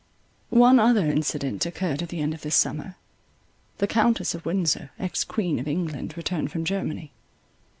One other incident occurred at the end of this summer. The Countess of Windsor, Ex Queen of England, returned from Germany.